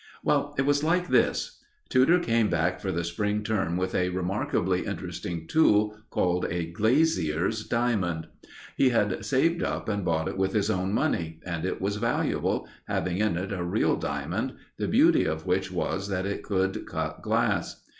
Well, it was like this: Tudor came back for the spring term with a remarkably interesting tool called a glazier's diamond. He had saved up and bought it with his own money, and it was valuable, having in it a real diamond, the beauty of which was that it could cut glass.